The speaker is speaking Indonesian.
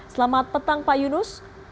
selamat petang pak yunus